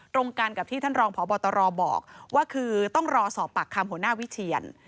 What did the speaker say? ตรงกันกับที่ท่านรองพบตรบอกว่าคือต้องรอสอบปากคำหัวหน้าวิเชียน